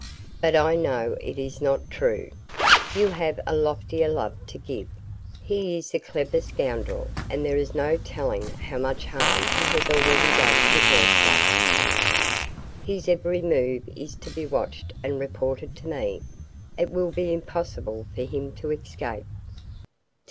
But I know it is not true. You have a loftier love to give. He is a clever scoundrel, and there is no telling how much harm he has already done to Graustark. His every move is to be watched and reported to me. It will be impossible for him to escape.